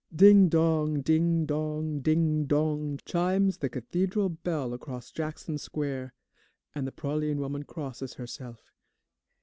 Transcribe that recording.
Ding dong, ding dong, ding dong, chimes the Cathedral bell across Jackson Square, and the praline woman crosses herself.